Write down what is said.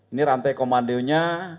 ini rantai komandonya